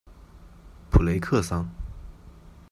普雷克桑。